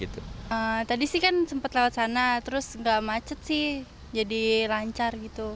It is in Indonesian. tadi sih kan sempat lewat sana terus nggak macet sih jadi lancar gitu